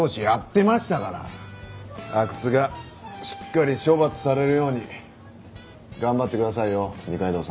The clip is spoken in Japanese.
阿久津がしっかり処罰されるように頑張ってくださいよ二階堂さん。